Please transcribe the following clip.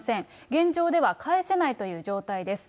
現状では返せないという状態です。